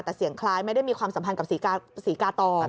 แต่เสียงคล้ายไม่ได้มีความสัมพันธ์กับศรีกาตอน